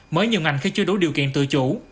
mới nhiều ngành khi chưa đủ điều kiện tự chủ